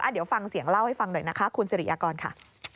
เดี๋ยวฟังเสียงเล่าให้ฟังหน่อยนะคะคุณสิริยากรค่ะ